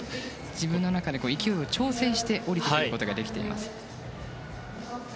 自分の中で勢いを調整して下りることができています。